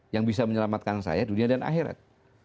yang bisa menyelamatkan saya dunia dan akhirat